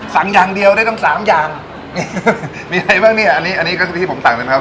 สั่งอย่างเดียวได้ต้องสามอย่างมีอะไรบ้างเนี้ยอันนี้อันนี้ก็คือที่ผมสั่งได้ไหมครับ